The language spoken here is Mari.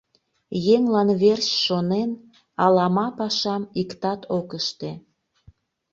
Еҥлан верч шонен, алама пашам иктат ок ыште.